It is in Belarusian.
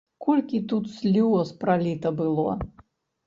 Колькі тут слёз праліта было!